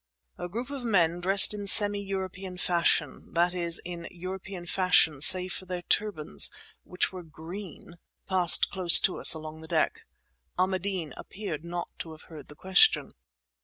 A group of men dressed in semi European fashion—that is, in European fashion save for their turbans, which were green—passed close to us along the deck. Ahmadeen appeared not to have heard the question.